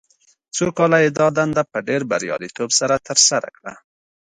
څو کاله یې دا دنده په ډېر بریالیتوب سره ترسره کړه.